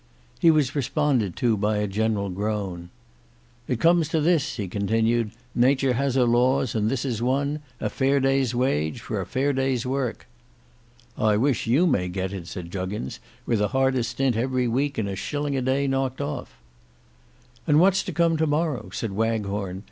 He was responded to by a general groan. "It comes to this," he continued, "Natur has her laws, and this is one; a fair day's wage for a fair day's work." "I wish you may get it," said Juggins, "with a harder stint every week and a shilling a day knocked off." "And what's to come to morrow?" said Waghorn.